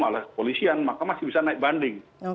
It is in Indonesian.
oleh polisian maka masih bisa naik banding